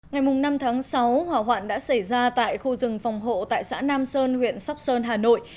ngày năm tháng sáu hỏa hoạn đã xảy ra tại khu rừng phòng hộ tại xã nam sơn huyện sóc sơn hà nội